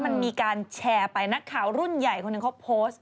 มันมีการแชร์ไปนักข่าวรุ่นใหญ่คนหนึ่งเขาโพสต์